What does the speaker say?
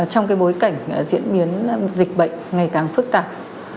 trong bối cảnh diễn biến dịch bệnh ngày càng phức tạp